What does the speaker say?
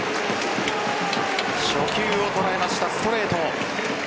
初球を捉えました、ストレート。